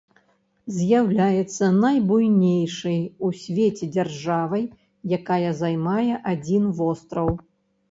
З'яўляецца найбуйнейшай у свеце дзяржавай, якая займае адзін востраў.